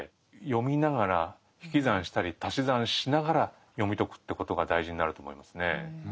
読みながら引き算したり足し算しながら読み解くってことが大事になると思いますね。